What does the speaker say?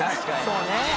そうね。